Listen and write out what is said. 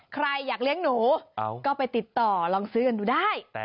ใครอยากเลี้ยงหนูก็ไปติดต่อลองซื้อกันดูได้